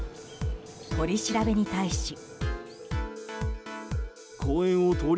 取り調べに対し。